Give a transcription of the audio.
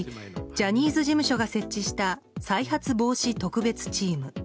ジャニーズ事務所が設置した再発防止特別チーム。